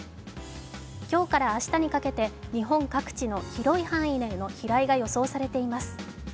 今日から明日にかけて、日本各地の広い範囲への飛来が予想されています。